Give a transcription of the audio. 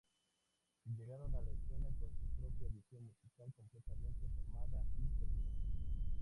Llegaron a la escena con su propia visión musical completamente formada y segura.